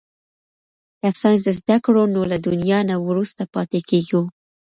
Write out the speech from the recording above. که ساینس زده کړو نو له دنیا نه وروسته پاتې کیږو.